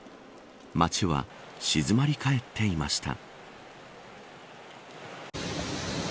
街は静まり返っていました。